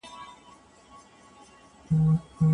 بدن د فزیکي تمرین لپاره دی.